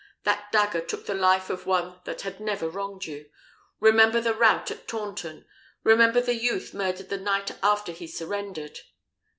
That dagger took the life of one that had never wronged you. Remember the rout at Taunton; remember the youth murdered the night after he surrendered!"